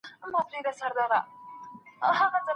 مثبت خلګ درسره کښېنئ.